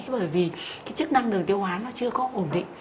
bởi vì cái chức năng đường tiêu hóa nó chưa có ổn định